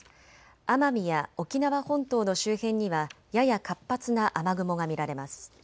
奄美や沖縄本島の周辺にはやや活発な雨雲が見られます。